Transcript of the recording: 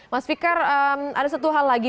mas fikar ada satu hal lagi